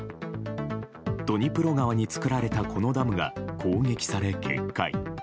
ドニプロ川に造られたこのダムが攻撃され決壊。